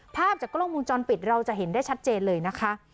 ภาพจากกล้องมุมจรปิดเราจะเห็นได้ชัดเจนเลยนะคะ